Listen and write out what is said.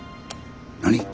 何？